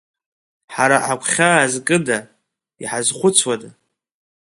Ҳара ҳагәхьаа зкыда, иҳазхәыцуада?